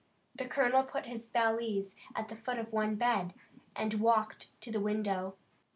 The colonel put his valise at the foot of one bed, and walked to the window.